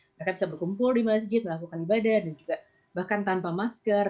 mereka bisa berkumpul di masjid melakukan ibadah dan juga bahkan tanpa masker